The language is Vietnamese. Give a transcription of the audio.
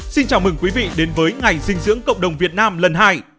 xin chào mừng quý vị đến với ngày dinh dưỡng cộng đồng việt nam lần hai